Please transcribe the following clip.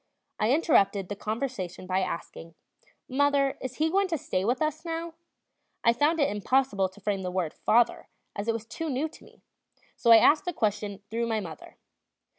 I interrupted the conversation by asking: "Mother, is he going to stay with us now?" I found it impossible to frame the word "father"; it was too new to me; so I asked the question through my mother.